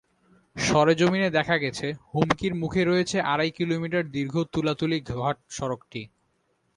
সরেজমিনে দেখা গেছে, হুমকির মুখে রয়েছে আড়াই কিলোমিটার দীর্ঘ তুলাতুলী ঘাট সড়কটি।